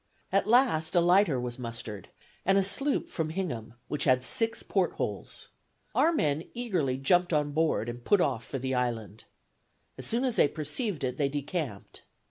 At last a lighter was mustered, and a sloop from Hingham, which had six port holes. Our men eagerly jumped on board, and put off for the Island. As soon as they perceived it, they decamped.